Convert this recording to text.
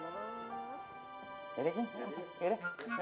yaudah kaya gini yaudah